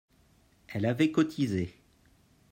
Elle avait cotisé